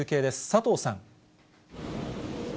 佐藤さん。